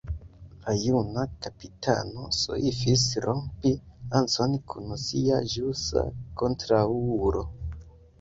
La juna kapitano soifis rompi lancon kun sia ĵusa kontraŭulo.